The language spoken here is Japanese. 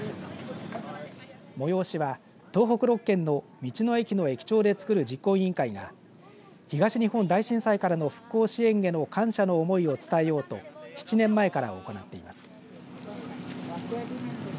催しは東北６県の道の駅の駅長でつくる実行委員会が東日本大震災からの復興支援への感謝の思いを伝えようと７年前から行っています。